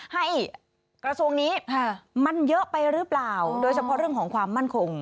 กระทรวงนี้มันเยอะไปหรือเปล่าโดยเฉพาะเรื่องของความมั่นคง